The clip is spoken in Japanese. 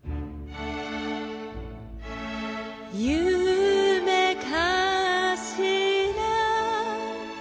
「ゆめかしら」